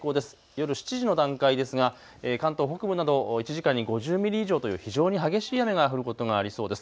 夜７時の段階ですが、関東北部など１時間に５０ミリ以上という非常に激しい雨が降ることがありそうです。